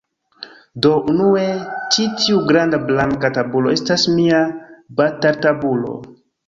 Do, unue, ĉi tiu granda blanka tabulo estas mia bataltabulo